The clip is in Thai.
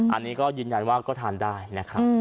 อันนี้ก็ยืนยันว่าก็ทานได้นะครับ